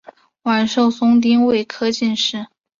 阮寿松丁未科进士。